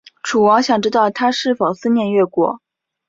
楚王想知道他是否思念越国。